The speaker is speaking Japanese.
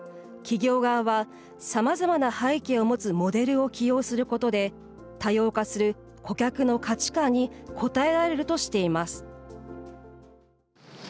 企業側はさまざまな背景を持つモデルを起用することで多様化する顧客の価値観に応えられるとしています。